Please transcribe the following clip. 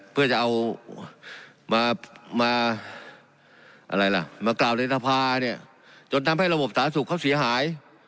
เพื่อจะเอามากล่าวเรศภาจนทำให้ระบบสารสุขเขาเสียหาย